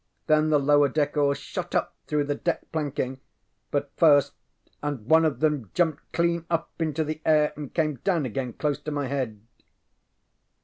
Then the lower deck oars shot up through the deck planking, but first, and one of them jumped clean up into the air and came down again close to my head.